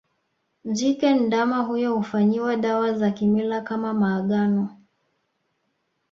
Jike ndama huyo hufanyiwa dawa za kimila kama maagano